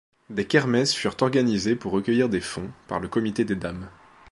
Des kermesses furent organisées pour recueillir des fonds, par le comité des Dames.